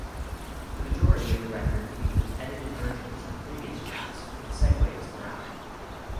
The majority of the record features edited versions of previous tracks, with segues throughout.